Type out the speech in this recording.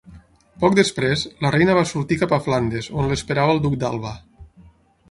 Poc després, la reina va sortir cap a Flandes, on l'esperava el duc d'Alba.